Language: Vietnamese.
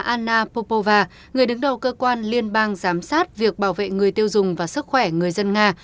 anna popova người đứng đầu cơ quan liên bang giám sát việc bảo vệ người tiêu dùng và sức khỏe người dân nga